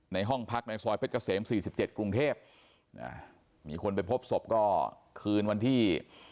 ห้องพักในซอยเพชรเกษม๔๗กรุงเทพมีคนไปพบศพก็คืนวันที่